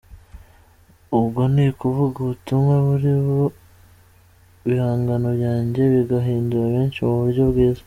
Ubwo ni ukuvuga ubutumwa buri mu bihangano byanjye bigahindura benshii mu buryo bwiza.